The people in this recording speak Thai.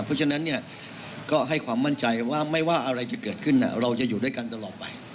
เพราะฉะนั้นก็ให้ความมั่นใจว่าไม่ว่าอะไรจะเกิดขึ้นเราจะอยู่ด้วยกันตลอดไป